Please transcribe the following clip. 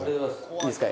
いいですか？